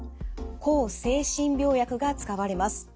抗精神病薬が使われます。